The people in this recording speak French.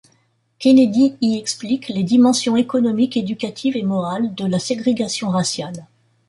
Kennedy y explique les dimensions économiques, éducatives et morales de la ségrégation raciale.